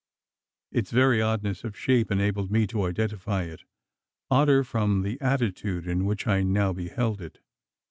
Its very oddness of shape enabled me to identify it odder from the attitude in which I now beheld it.